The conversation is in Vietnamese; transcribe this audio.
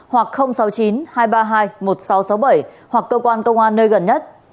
hoặc sáu mươi chín hai trăm ba mươi hai một nghìn sáu trăm sáu mươi bảy hoặc cơ quan công an nơi gần nhất